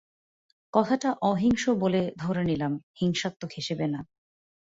কথাটা অহিংস বলে ধরে নিলাম হিংসাত্মক হিসেবে না।